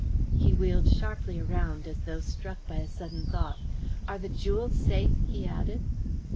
He wheeled sharply around, as though struck by a sudden thought. "Are the jewels safe?" he added.